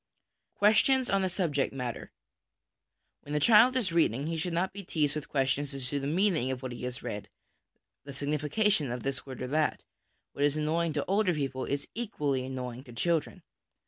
Questions on the Subject matter. When a child is reading, he should not be teased with questions as to the meaning of what he has read, the signification of this word or that ; what is annoying to older people is equally annoying to children.